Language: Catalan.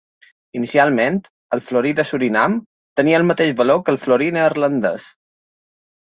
Inicialment, el florí de Surinam tenia el mateix valor que el florí neerlandès.